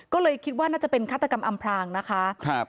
ก็เลยคิดว่าน่าจะเป็นฆาตกรรมอำพรางนะคะ